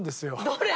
どれ？